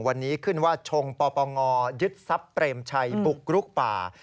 วันนี้ขึ้นว่าชงปปงยึดทรัพย์เปรมชัยบุกรุกป่า